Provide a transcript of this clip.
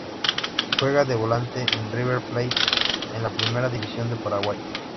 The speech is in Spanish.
Juega de volante en River Plate de la Primera División de Paraguay.